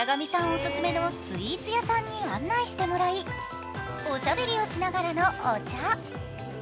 オススメのスイーツ屋さんに案内してもらい、おしゃべりをしながらのお茶。